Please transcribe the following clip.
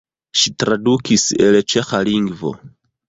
Ŝi tradukis el ĉeĥa lingvo.